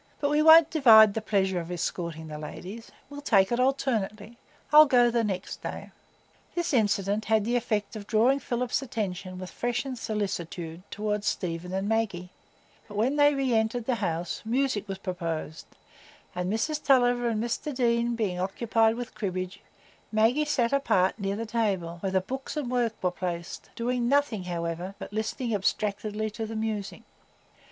But we won't divide the pleasure of escorting the ladies; we'll take it alternately. I'll go the next day." This incident had the effect of drawing Philip's attention with freshened solicitude toward Stephen and Maggie; but when they re entered the house, music was proposed, and Mrs Tulliver and Mr Deane being occupied with cribbage, Maggie sat apart near the table where the books and work were placed, doing nothing, however, but listening abstractedly to the music.